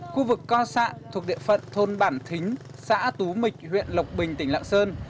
khu vực co sạn thuộc địa phận thôn bản thính xã tú mịch huyện lộc bình tỉnh lạng sơn